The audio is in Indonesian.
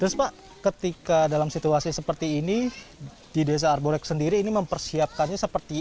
terus pak ketika dalam situasi seperti ini di desa arborek sendiri ini mempersiapkan tempat untuk mencari tangan